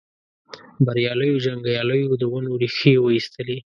بریالیو جنګیالیو د ونو ریښې وایستلې.